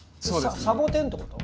サボテンってこと？